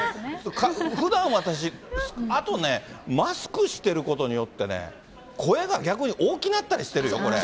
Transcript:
ふだん、私、あとね、マスクしてることによってね、声が逆に大きなったりしてるよ、これ。